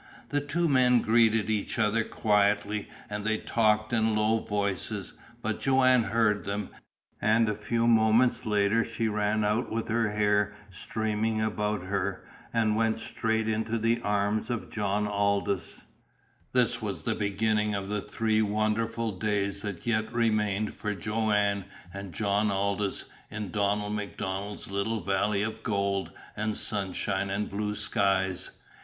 The two men greeted each other quietly, and they talked in low voices, but Joanne heard them, and a few moments later she ran out with her hair streaming about her and went straight into the arms of John Aldous. This was the beginning of the three wonderful days that yet remained for Joanne and John Aldous in Donald MacDonald's little valley of gold and sunshine and blue skies.